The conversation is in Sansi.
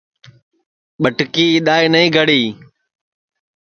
ٻٹکی اِدؔائے نائی گݪی